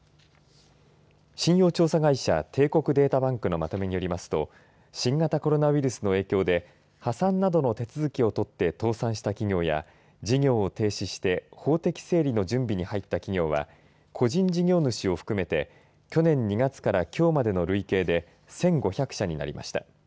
信用調査会社帝国データバンクのまとめによりますと新型コロナウイルスの影響で破産などの手続きを取って倒産した企業や事業を停止して法的整理の準備に入った企業は個人事業主を含めて去年２月からきょうまでの累計で１５００社になりました。